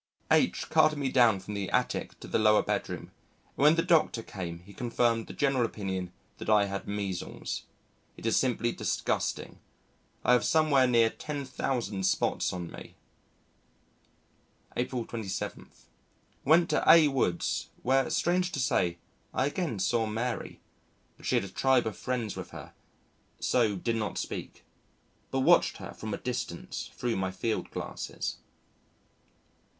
H carted me down from the Attic to the Lower Bedroom, and when the Dr. came he confirmed the general opinion that I had measles. It is simply disgusting, I have somewhere near 10,000 spots on me. April 27. Went to A Woods, where, strange to say, I again saw Mary. But she had a tribe of friends with her, so did not speak, but watched her from a distance through my field glasses.